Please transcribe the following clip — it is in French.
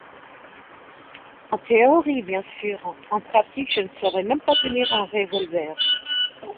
En théorie bien sûr, en pratique je ne saurais même pas tenir un revolver !